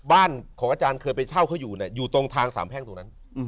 บ้านของอาจารย์เคยไปเช่าเขาอยู่เนี่ยอยู่ตรงทางสามแพ่งตรงนั้น